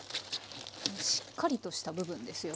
しっかりとした部分ですよね。